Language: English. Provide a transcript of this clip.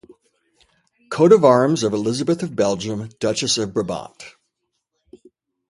Coat of arms of Elisabeth of Belgium, duchess of Brabant.